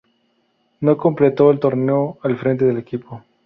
No completó el torneo al frente del equipo.